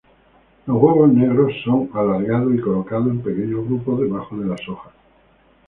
Los huevos negros son alargados y colocados en pequeños grupos debajo de las hojas.